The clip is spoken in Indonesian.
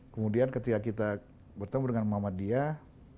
kemudian ketika kita bertemu dengan muhammad diyah